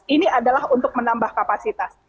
ini adalah untuk menambah kapasitas